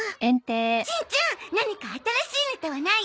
しんちゃん何か新しいネタはない？